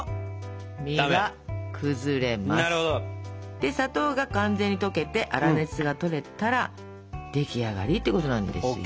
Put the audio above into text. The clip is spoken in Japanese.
で砂糖が完全に溶けて粗熱がとれたら出来上がりってことなんですよ。